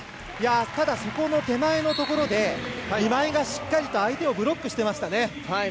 ただ、手前のところで今井がしっかりと相手をブロックしていましたね。